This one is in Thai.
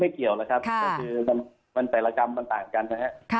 เกี่ยวแล้วครับก็คือมันแต่ละกรรมมันต่างกันนะครับ